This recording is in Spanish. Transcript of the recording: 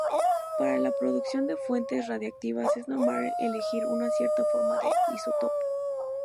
Para la producción de fuentes radiactivas es normal elegir una cierta forma de isótopo.